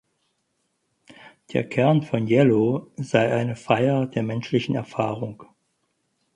Der Kern von "Yellow" sei eine Feier der menschlichen Erfahrung.